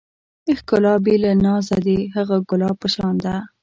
ښکلا بې له نازه د هغه ګلاب په شان ده.